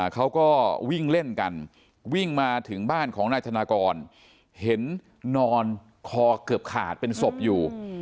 เขาก็วิ่งเล่นกันวิ่งมาถึงบ้านของนายธนากรเห็นนอนคอเกือบขาดเป็นศพอยู่